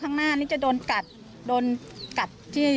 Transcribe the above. เป็นอะไร